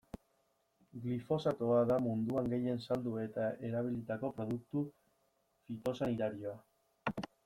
Glifosatoa da munduan gehien saldu eta erabilitako produktu fitosanitarioa.